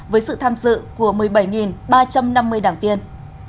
với sự tham dự của một mươi bảy ba trăm năm mươi đảng viên